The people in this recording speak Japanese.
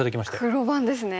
黒番ですね。